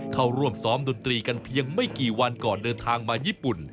เข้าร่วมซ้อมดนตรีกันเพียงไม่กี่วันก่อนเดินทางมาญี่ปุ่น